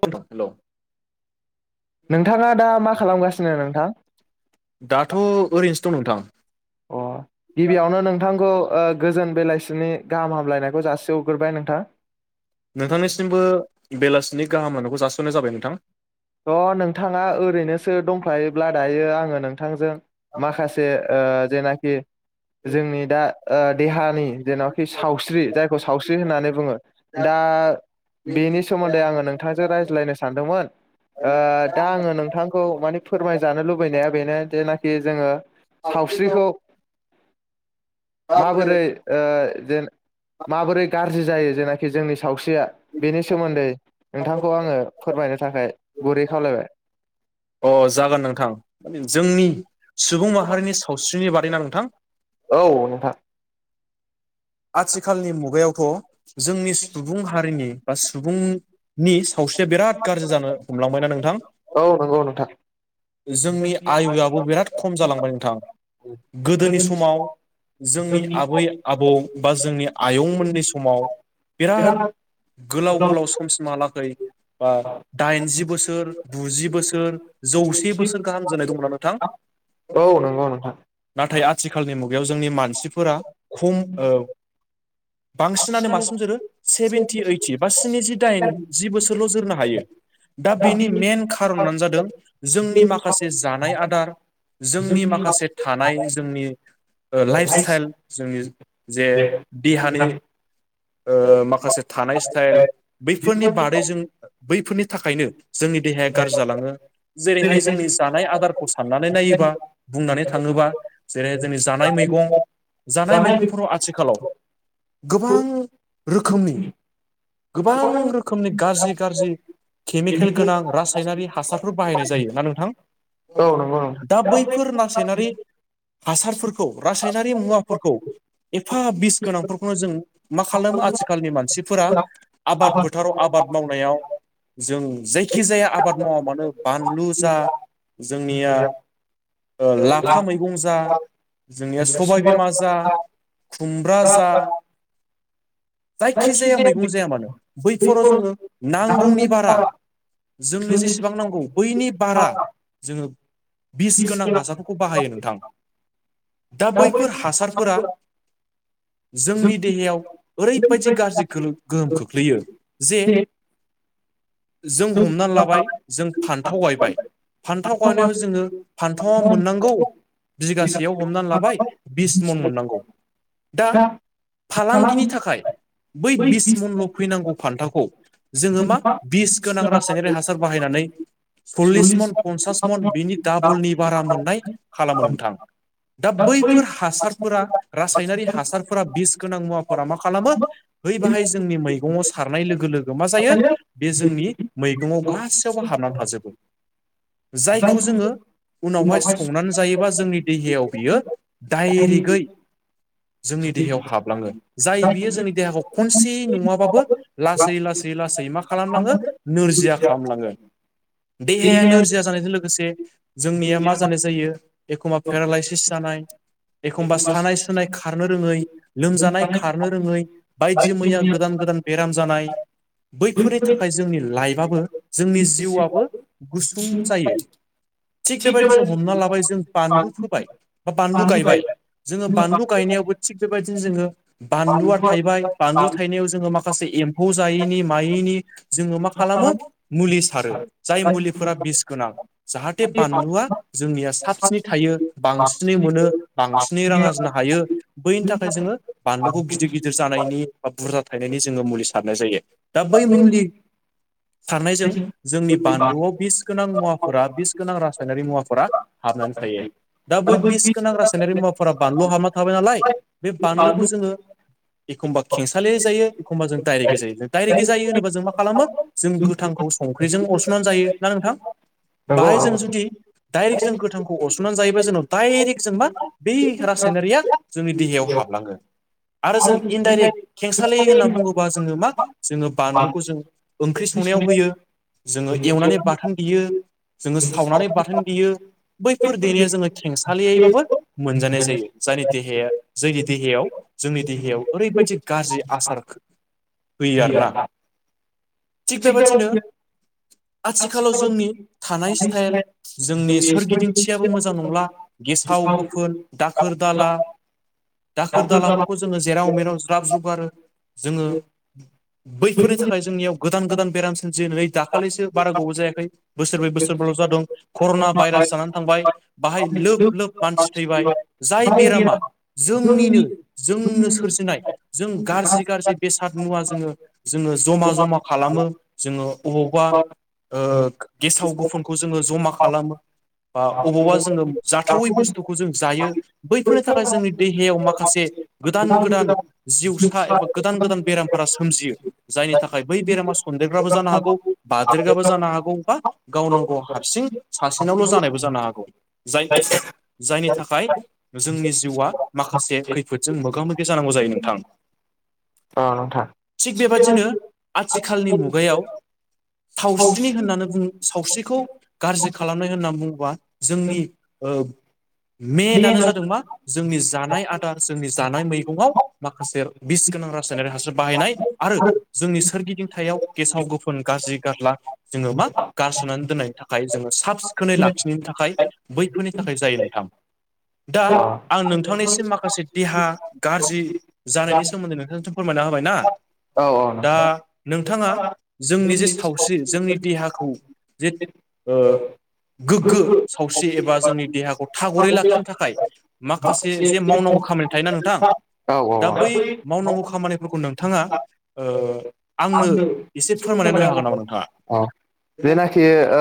हेल नोंथाङा दा मा खालामगासिनो नोंथां दाथ' ओरैनोसो दं नोंथां अ गिबियावनो नोंथांखौ ओ गोजोन बेलासिनि गाहाम हामलायनायखौ जासिहरग्रोबाय नोंथां। नोंथांनिसिमबो बेलासिनि गाहामलायनायखौ जासिहरनाय जाबाय नोंथां। र' नोंथाङा ओरैनोसो दंफायोब्ला दायो आङो नोंथांजों माखासे ओ जेनाखि जोंनि दा ओ देहानि जेनावखि सावस्रि जायखौ सावस्रि होननानै बुङो। दा बेनि सोमोन्दै आङो नोंथांजों रायज्लायनो सानदोंमोन। ओ दा आङो नोंथांखौ मानिे फोरमायजानो लुबैनाया बेनो जेनाखि जोङो सावस्रिखौ माबोरै ओ जेन माबोरै गाज्रि जायो जेनाखि जोंनि सावस्रिया बेनि सोमोन्दै नोंथांखौ आङो फोरमायनो गुरैयै खावलायबाय अ जागोन नोंथां माने जोंनि सुबुं माहारिनि सावस्रिनि बादैना नोंथां औ नोंथां आथिखालनि मुगायावथ' जोंनि सुबुं हारिनि बा सुबुं नि सावस्रिया बिराद गाज्रि जानो हमलांबायना नोंथां औ नंगौ नोंथां जोंनि आइयुआबो बिराद खम जालांबाय नोंथां गोदोनि समाव जोंनि आबै आबौ बा जोंनि आयंमोननि समाव बिराद गोलाव गोलाव समसिमहालागै बा दाइनजि बोसोर गुजि बोसोर जौसे बोसोर गाहाम जानाय दंमोनना नोंथां औ नंगौ नोंथां थिखालनि मुगायाव जोंनि मानसिफोरा खम ओ बांसिनानो मासिम जोरो सेभेनटि ओइटि बा स्निजि दाइन जि बोसोरल' जोरनो हायो दा बेनि मेन खारनानो जादों जोंनि माखासे जानाय आदार जोंनि माखासे थानाय जोंनि ओ लाइफस्थाइल जोंनि जे देहानि ओ माखासे थानाय स्टाइल बैफोरनि बादैजों बैफोरनि थाखायनो जोंनि देहाया गाज्रि जालाङो जेरैहाय जोंनि जानाय आदारखौ साननानै नायोबा बुंनानै थाङोबा जेरे जोंनि जानाय मैगं जानाय मैगं आथिखालाव गोबां रोखोमनि गोबां रोखोमनि गाज्रि गाज्रि खेमिखेल गोनां रासायनारि हासारफोर बाहायनाय जायो ना नोंथां औ नंगौ नोंथां दा बै फोर नासायनारि हासारफोरखौ रासायनारि मुवाफोरखौ एफा बिस गोनांफोरखौनो जों मा खालामो आथिखालनि मानसिफोरा आबाद फोथाराव आबाद मावनायाव जों जायखि जाया आबाद मावा मानो बानलु जा जोंनिया ओ लाफा मैगं जा जोंनिया सबायबिमा जा खुमब्रा जा जायखिजाया मैगं जाया मानो बैफोराव जोङो नांगौनि बारा जोंनो जेसेबां नांगौ बैनि बारा जोङो बिस गोनां हासारफोरखौ बाहायो नोंथां दा बैफोर हासारफोरा [unintelligible] जोंनि देहायाव ओरैबायदि गाज्रि गोलो गोहोम खोख्लैयो जे जों हमनानै लाबाय जों फान्थाव गायबाय फान्थाव गायनायाव जोङो फान्थावा मोननांगौ बिगासेयाव हमनानै लाबाय बिस मन मोननांगौ दा फालांगिनि थाखाय बै बिस मनल' फैनां गौ फान्थाखौ जोङो मा बिस गोनां रासायनारि हासार बाहायनानै सल्लिस मन पन्सास मन बिनि डाबलनि बारा मोननाय खालामो नोंथां दा बैफोर हासारफोरा रासायनारि हासारफोरा बिस गोनां मुवाफोरा मा खालामो बै बाहाय जोंनि मैगंङाव सारनाय लोगो लोग गो मा जायो बे जोंनि मैगंङाव गासैयावबो हाबनानै थाजोबो जायखौ जोङो उनावहाय संनानै जायो एबा जोंनि देहायाव बियो डाइरेक गै जोंनि देहायाव हाबलाङो जाय बियो जोंनि देहाखौ खनसेयै नङाबाबो लासै लासै लासै मा खालामलांङो नोरजिया खालामलाङो देहाया नोरजिया जानायजों लोग लोगोसे जोंनिया मा जानाय जायो एखमबा पेरालाइसिस जानाय एखमबा सानाय सु नाय खारनो रोङै लोमजानाय खारनो रोङै बायदि मैया गोदान गोदान बेराम जानाय बैफोरनि थाखाय जोंनि लाइफआबो जोंनि जिउआबो गुसुं जायो थिग बेबायदि जों हमना लाबाय जों बानलु फोबाय बा बानलु गायबाय जोङो बानलु गायनायावबो थिग बेबायदिनो जोङो बानलुआ थायबाय बानलु थायनायाव जोङो मा माखासे एम्फौ जायैनि मायैनि जोङो मा खालामो मुलि सारो जाय मुलिफोरा बिस गोनां जाहाथे बानलुआ जोंनिया साबसिनै थायो बांसिनै मोनो बांसिनै रां आरनो हायो बैनि थाखाय जोङो बानलुखौ गिदिर गिदिर जा नायनि बुरजा थायनायनि जोङो मुलि सारनाय जायो दा बै मुलि सारनायजों जोंनि बानलुआव बिस गोनां मुवाफोरा बिस गोनां रासायनारि मुवाफोरा हाबनानै थायो दा बै बिस गोनां रासायनारि मुवाफोरा बानलु हाबना थाबाय नालीय बे बानलुखौ जोङो एखनबा खेंसालि जायो एखनबा जों दायरेकगै जायोे जायो होनोबा जों मा खालामो जों गोथांखौ संख्रिजों अरसननानै जायो ना नोंथां नोंगौ दडाइरेक्ट जों गोथांखौ अरसननानै जायोबा जोंनाव दडाइरेक्ट जों मा बै रासायनारिया जोंनि देहायाव हाबलांगोन आरो जों इनडाइरेक्ट खेंसालि होनना बुङोबा जोङो मा जोङो बानलुखौ जों ओंख्रि संनायाव होयो जोङो एवनानै बाथोन देयो जोङो सावनानै बाथोन देयो बैफोर देनाया जोङो खेंसालियैबाबो मोनजानाय जायो जायनि देहाया जोंनि देहायाव जोंनि देहायाव ओरैबायदि गाज्रि आसार होयो आरो ना थिक बेबादिनो आथिखालाव जोंनि थानाय स्टाइल जोंनि सोरगिदिंथियाबो मोजां नंला गेसाव गेसाव गोफोन दाखोर दाला दाखोर दालाफोरखौ जोङो जेराव मेराव ज्राब ज्रुब गारो जोङो बैफोरनि थाखाय जोंनियाव गोदान गोदान बेराम सोमजियो नै दाखालिसो बारा गोबाव जायाखै बोसोर बै बोसोरबल' जादों कर'ना भाइरास जानानै थांबाय बाहाय लोब लोब मानसि थैबाय जाय बेरामा जोंनिनो जोंनो सोरजिनाय जों गाज्रि गाज्रि बेसाद मुवा जोङो जोङो जमा जमा खालामो जोङो अबावबा ओ गेसाव गुफोनखौ जोङो जमा खालामो बा अबावबा जोङो जाथावै बुस्थुखौ जों जायो बैफोरनो थाखाय जोंनि देहायाव माखासे गोदान गोदान जिउसा एबा गोदान गोदान बेरामफोरा सोमजियो जायनि थाखाय बै बेरामा सनदेरग्राबो जानो हागौ बादेरग्राबो जानो हागौ बा गावनो गाव हारसिं सासेनावल' जानायबो जानो हागौ जायनि जायनि थाखाय जोंनि बा माखासे खैफोदजों मोगा मोगि जानांगौ जायो नोंथां औ नोंथां थिग बेबादिनो आथिखालनि मुगायाव थावस्रिनि होननानै बुङो सावस्रिखौ गाज्रि खालामनाय होननानै बुंबा जोंनि ओब मेनानो जादों मा जोंनि जानाय आदार जोंनि जानाय मैगङाव माखासे बिस गोनां रासायनारि हासार बाहायनाय आरो जोंनि सोरगिदिं थायो गेसाव गोफोन गाज्रि गारला जोङो मा गारसोनानै दोननायनि थाखाय जोङो साब साब सिखोनै लाखियिनि थाखाय बैफोरनि थाखाय जायो नोंथां दा आं नोंथांनिसिम माखासे देहा गाज्रि जानायनि सोमोन्दै नोंथांसिम फोरमायना होबाय ना ओव औ दा नोंथां नोंथाङा जोंनि जे सावस्रि जोंनि देहाखौ जे ओ गोग्गो सावस्रि एबा जोंनि देहाखौ थागरै लाखिनो थाखाय माखासे जे मावनांगौ खामानि थायोना नोंथां नोंथां औ दा बै औ मावनांगौ औ खामानिफोरखौ नोंथाङा ओ आंनो एसे इसे फोरमायनानै होनो फोरमायना हागोन नामा होदो नोंथाङा? औ जेनाखि ओ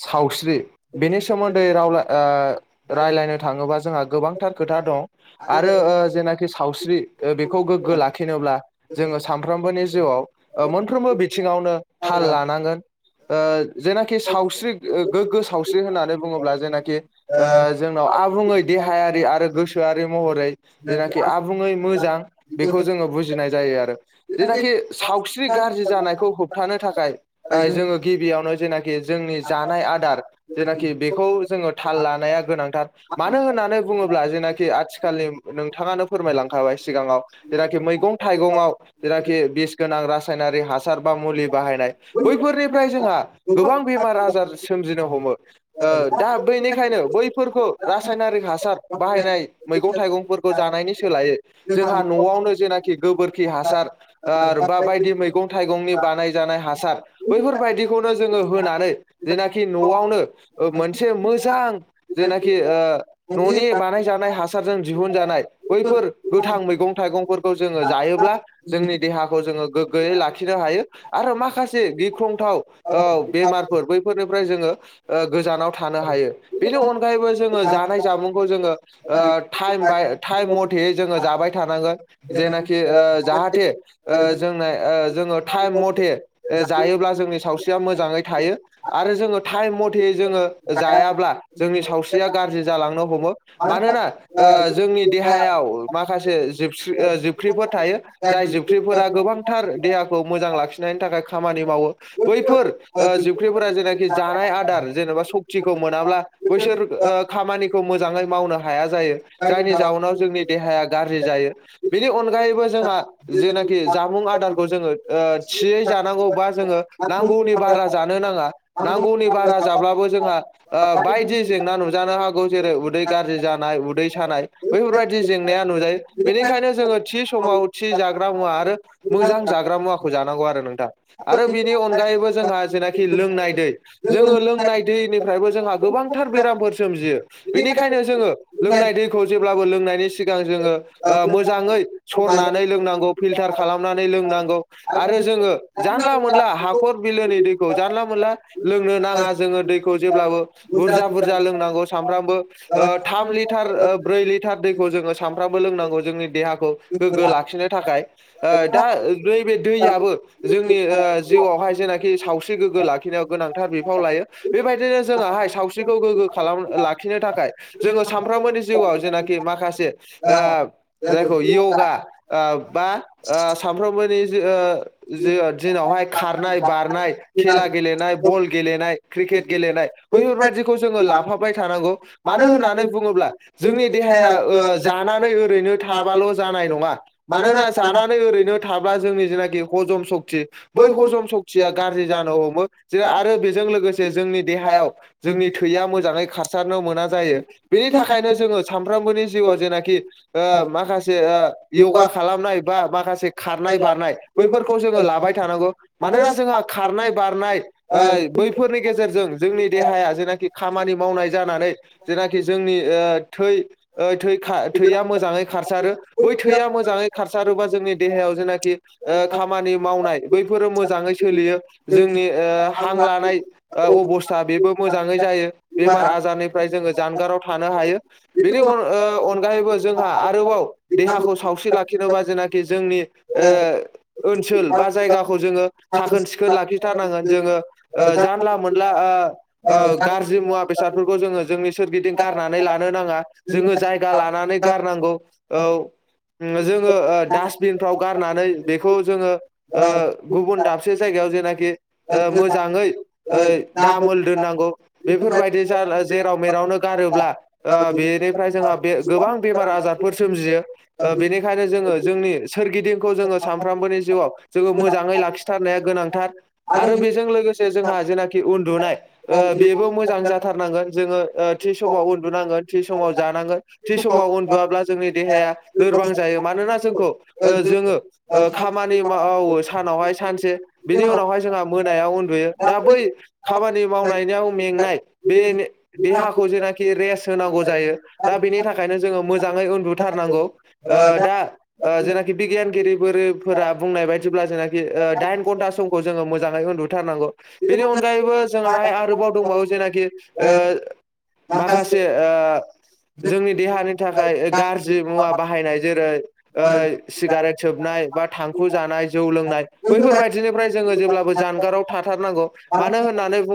सावस्रि बेनि सोमोन्दै राव ओ रायलायनो थाङोबा जोंहा गोबांथार खोथा दं आरो ओ जेनाखि सावस्रि ओ बेखौ गोग्गो लाखिनोब्ला जोङो सामफ्रोमबोनि जिउआव ओ मोनफ्रोमबो बिथिङावनो थाल लानांगोन ओ जेनाखि सावस्रि गोग्गो सावस्रि होननानै बुङोब्ला जेनाखि ओ जोंनाव आबुङै देहायारि आरो गोसोआरि महरै जेनाखि आबुङै मोजां बेखौ जोङो बुजिनाय जायो आरो जेनाखि सावस्रि गाज्रि जानायखौ होबथानो थाखाय जोङो गिबियावनो जेनाखि जोंनि जानाय आदार जेनाखि बेखौ जोङो थाल लानाया गोनांथार मानो होननानै बुङोब्ला जेनाखि आथिखालनि नोंथाङानो फोरमायलांखाबाय सिगाङाव जेनाखि मैगं थाइगङाव जेनाखि बिस गोनां रासायनारि हासार सार बा मुलि बाहायनाय बैफोरनिफ्राय जोंहा गोबां बेमार आजार सोमजिनो हमो ओ दा बेनिखायनो बै फोरखौ रासायनारिक हासार बाहायनाय मैगं थाइगंफोरखौ जानायनि सोलायै जोंहा न'आवनो जेनाखि गोबोरखि हासार ओ बा बायदि मैगं थाइगंनि बानाय जानाय हासार बैफोरबायाददिखौनो जोङो होनानै जेनाखि न'आवनो ओ मोनसे मोजां जेनाखि ओ न'नि बानाय जानाय हासार हासारजों दिहुन जानाय बैफोर गोथां मैगं थाइगंफोरखौ जोङो जायोब्ला जोंनि देहा जोङो गोगगोयै लाखिनो हायो आरो माखासे गिख्रंथाव औ बेमारफोर बैफोरनो जोङो गोजानाव थानो हायो बेनि अनगायैबो जोङो जानाय जामुंखौ जोङो ओ ओ टाइम बाय टाइम मथेै जोङो जाबाय थानांगोन जेनाखि ओ जाहाथे ओ जोंना जोङो टाइम मथे जायोब्ला जोंनि सावस्रिया मोजाङै थायो आरो आरो जोङो टाइम मथेै जोङो जायाब्ला जोंनि सावस्रिया गाज्रि जालांनो हमो मानोना ओ जोंनि देहायाव माखासे जिबख्रिफोर थायो जाय ख्रिया गोबांथार देहाखौ मोजां लाखिनायनि थाखाय खामानि मावो बैफोर जिबख्रिफोरा जे नाखि जानाय आदार जेन'बा सक्तिखौ मोनाब्ला बैसोर खामानिखौ मोजाङै मावनो हाया जायो जायनि जाउनाव जोंनि देहाया गाज्रि जायो बेनि अनगायैबो जोंहा जेनाखि जामुं आदारखौ जोङो थियै जानांगौ बा जोङो नांगौनि बारा जानो नाङा नांगोवनि बारा जाब्लाबो जोंहा ओ बायदि जेंना नुजानो हागौ जेरै उदै गाज्रि जानाय उदै सानाय बेफोरबायदि जेंनाया नुजायो बेनिखायनो जोङो थि समाव जाग्रा मुवा आरो मोजां जाग्रा मुवाखौ जानांगौ आरो नोंथां आरो बेनि अनगायैबो जोंहा जे नाखि लोंनाय दै जोङो लोंनाय दैनिफ्रायबो जोंहा गोबांथार बेरामफोर सोमयो बेनिखायनो बेखायनो जोङो लोंनाय दैखौ जेब्लाबो लोंनायनि सिगां जोङो ओ मोजाङै सरनानै [unintelligible] लोंनांगौ फिलथार खालामनानै लोंनांगौ आरो जोङो जानला मोनला हाखर बिलोनि दैखौ जानला मोनला लोंनो नाङा जोङो दैखौ जेब्लाबो बुरजा बुरजा लोंनांगौ सानफ्रामबो थाम लिटार ब्रै लिटार दैखौ जोङो सानफ्रामबो लोंनांगौ जोंनि देहाखौ गोग्गो ला खिनो थाखाय दा नैबे दैआबो जोंनि ओ जिउआव हाय जेनाखि साव स्रि गोग्गो लाखिनायाव गोनांथार बिफाव लायो बेबायदिनो जोंहाहाय सावस्रिखौ गोग्गो खालाम लाखिनो थाखाय जोङो सानफ्रोमबोनि जिउआव जेनाखि माखासे ओ जायखौ इउगा बा सानफ्रोमबोनि दिनावहाय खारनाय बारनाय खेला गेलेनाय बल गेलेनाय क्रिकेट गेलेनाय बैफोरबायाददिखौ जोङो लाफाबाय थानांगौ मानो होननानै बुङोब्ला जोंनि देहाया ओ जानानै ओरैनो थाबाल' जानाय नङा मानोना जानानै ओरैनो थाब्ला जोंनि जेनाखि हजम सक्ति बै हजम सक्तिया गाज्रि जानो हमो आरो बेजों बेजों लोगोसे जोंनि देहायाव जोंनि थैया मोजाङै खारसारनो मोना जायो बेनि थाखायनो जोङो साफ्रामबोनि जिउआव जेनाखि ओ माखासे ओ यगा खालामनाय बा माखासे खारनाय बारनाय बैफोरखौ जोङो लाबाय थानांगौ मानोना जोंहा खारनाय बारनाय आ बैफोरनि गेजेरजों जोंनि देहाया जेनाखि खामानि मावनाय जानानै जेनाखि जोंनि ओ थै ओ थै खा थैया मोजाङै खारसारो बै थैया मोजाङै खारसारोबा जोंनि देहायाव जेनाखि ओ खामानि मावनाय बैफोरो मोजाङै सोलियो जोंनि ओ हां लानाय अबस्था बेबो मोजाङै जायो बेमार आजारनिफ्राय जोङो जानगाराव थानो हायो बेनि ओ अनगायैबो जोंहा आरोबाव देहाखौ सावस्रि लाखि खेनबा जेनाखि जोंनि ओ ओनसोल बा जायगाखौ जोङो साखोन सिखोन लाखि थारनांगोन जोंङो ओ जानला मोनला ओ ओ गाज्रि मुवा बेसादफोरखौ जोंङो जोनि सो सोरगिदिं गारनानै लानो नाङा जोङो जायगा लानानै गारनांगौ औ जोङो ओ डास्बिन फ्राव गारनानै बेखौ जोङो ओ गुबुन दाबसे जायगायाव जेन नाखि मोजाङै ओ दामोल दोननांगौ बेफोरबायदि जा जेराव मेरावनो गारोब्ला ओ बेनिफ्राय जोंहा गोबां बेमार आजारफोर सोमजियो ओ बेनिखायनो जोङो जोंनि सोरगिदिंखौ जोङो सानफ्रामबोनि जिउआव जोङो मोजाङै लाखिथारनाया गोनां नांथार आरो बेजों लोगोसे जोंहा जेनाखि उन्दुनाय ओ बेबो मोजां जाथारनांगोन जो जोङो थि समाव उन्दुनांगोन थि समाव जानांगोन थि समाव उन्दुआब्ला जोंनि देहाया लोरबां जायो मानोना जोंखौ ओ जोङो खामानि मावो सानावहाय सानसे बिनि उनावहाय जोंहा मोनायाव उन्दुयो दा बै खामानि मावनाययाव मेंनाय बे देहाखौ जेनाखि रेस्ट होनांगौ जायो दा बेनि थाखायनो जोङो मोजाङै उन्दुथारनांगौ। ओ दा ओ जेनाखि बिगियानगिरिफोरफोरा बुंनाय बायदिब्ला जेनाखि दाइन घन्थास समखौ जोङो मोजाङै उन्दुथारनांगौ बेनि अनगायैबो जोंहाहाय आरोबाव दंबावो जेनाखि ओ माखासे ओ जोंनि देहानि थाखाय ओ गाज्रि मुवा बाहायनाय जेरै ओ सिगारेट सोबनाय बा थांखु जानाय जौ लोंनाय बैफोरबायदि निफ्राय जोंङो जेब्लाबो जानगाराव थाथारनांगौ मानो होननानै बुं